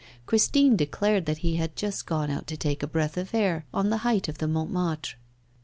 Christine declared that he had just gone out to take a breath of air on the height of Montmartre.